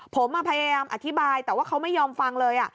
ผมพยายามอธิบายแต่ว่าเขาไม่ยอมฟังเลย